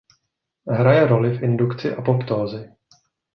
Hraje roli v indukci apoptózy.